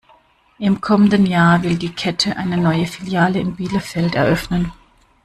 Im kommenden Jahr will die Kette eine neue Filiale in Bielefeld eröffnen.